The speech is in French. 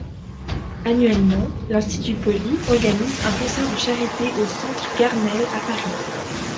Annuellement, l'Institut Polis organise un concert de charité au centre Garnelles à Paris.